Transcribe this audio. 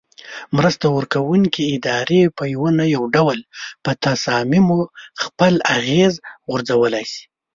مرسته ورکوونکې ادارې په یو نه یو ډول په تصامیمو خپل اغیز غورځولای شي.